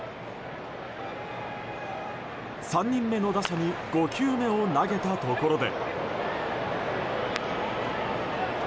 ３人目の打者に５球目を投げたところで。